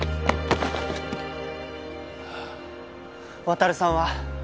渉さんは？